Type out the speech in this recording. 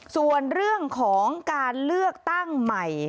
ส่วนเรื่องของการเลือกตั้งใหม่